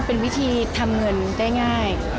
เป็นวิธีทำเงินได้ง่าย